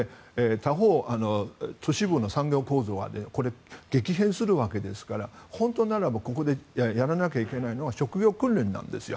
他方、都市部の産業構造は激変するわけですから本当ならここでやらなきゃいけないのは職業訓練なんですよ。